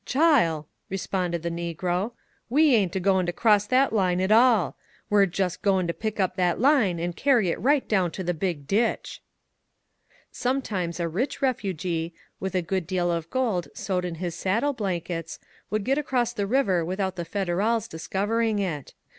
Chile!" responded the Negro. We ain't agoin' to cross that line at all. We're just goin' to pick up that line an' carry it right down to the Big Ditch !" Sometimes a rich refugee, with a good deal of gold sewed in his saddle blankets, would get across the river without the Federals discovering it.